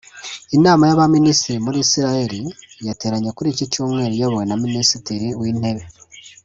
Inama y’abaminisitiri muri Isiraheli yateranye kuri iki Cyumweru iyobowe na Minisitiri w’Intebe